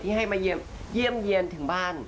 ให้มาเยี่ยมเยี่ยนถึงบ้าน